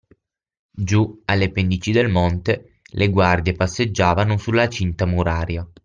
Giù, alle pendici del monte, le guardie passeggiavano sulla cinta muraria